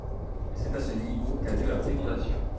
C'est à ce niveau qu'a lieu la fécondation.